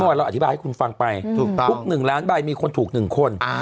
เราอธิบายให้คุณฟังไปทุก๑ล้านใบมีคนถูก๑คน